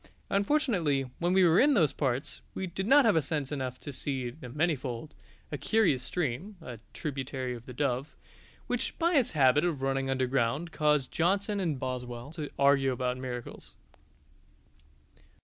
Unfortunately, when we were in those parts we did not have sense enough to see the Manyfold, a curious stream (a tributary of the Dove) which by its habit of running underground caused Johnson and Boswell to argue about miracles.